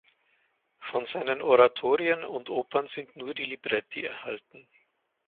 Von seinen Oratorien und Opern sind nur die Libretti erhalten.